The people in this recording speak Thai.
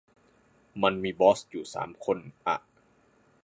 มันมีบอสอยู่สามคนอะ